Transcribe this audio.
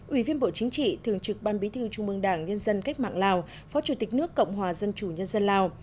ủy viên bộ chính trị thường trực ban bí thư trung mương đảng nhân dân cách mạng lào phó chủ tịch nước cộng hòa dân chủ nhân dân lào